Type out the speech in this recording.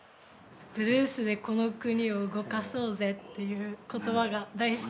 「ブルースでこの国を動かそうぜ」っていう言葉が大好きですね。